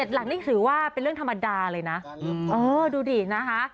หลังนี่ถือว่าเป็นเรื่องธรรมดาเลยนะเออดูดินะคะ